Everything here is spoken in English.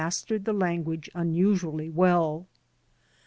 stered the language unusually well.